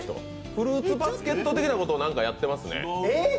フルーツバスケット的なことを何かやってますね。